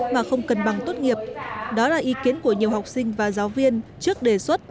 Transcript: mà không cần bằng tốt nghiệp đó là ý kiến của nhiều học sinh và giáo viên trước đề xuất